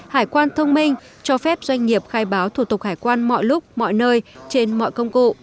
hải quan thông minh cho phép doanh nghiệp khai báo thủ tục hải quan mọi lúc mọi nơi trên mọi công cụ